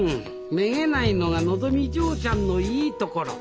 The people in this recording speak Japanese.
めげないのがのぞみ嬢ちゃんのいいところ。